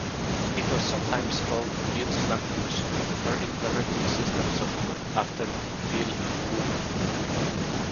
It was sometimes called "Bill's Language for Implementing System Software", after Bill Wulf.